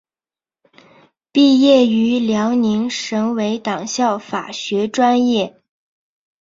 毕业于辽宁省委党校法学专业。